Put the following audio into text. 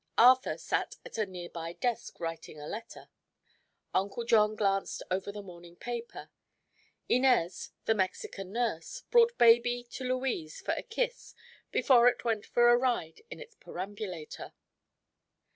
Arthur sat at a near by desk writing a letter; Uncle John glanced over the morning paper; Inez, the Mexican nurse, brought baby to Louise for a kiss before it went for a ride in its perambulator.